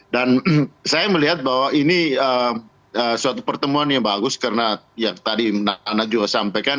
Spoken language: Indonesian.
dan saya melihat bahwa ini suatu pertemuan yang bagus karena yang tadi najwa sampaikan